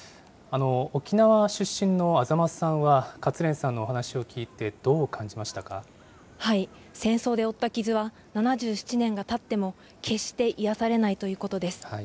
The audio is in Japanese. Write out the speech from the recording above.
沖縄出身の安座間さんは勝連さんのお話を聞いて、戦争で負った傷は、７７年がたっても、決して癒やされないということです。